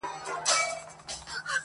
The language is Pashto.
• هغه د خلکو له نظره پټه ساتل کيږي هلته,